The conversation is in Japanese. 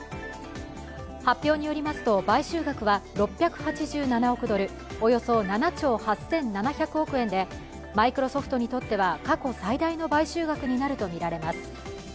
発表によりますと、買収額は６８７億ドル、およそ７兆８７００億円で、マイクロソフトにとっては過去最大の買収額になるとみられます。